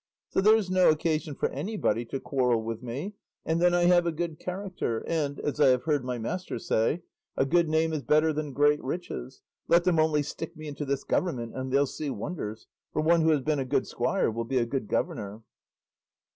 So there's no occasion for anybody to quarrel with me; and then I have a good character, and, as I have heard my master say, 'a good name is better than great riches;' let them only stick me into this government and they'll see wonders, for one who has been a good squire will be a good governor."